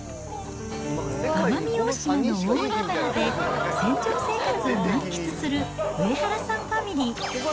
奄美大島の大海原で船上生活を満喫する上原さんファミリー。